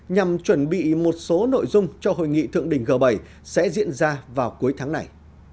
nhằm chuẩn bị một số nội dung cho hội nghị thượng đỉnh g bảy sẽ diễn ra vào cuối tháng này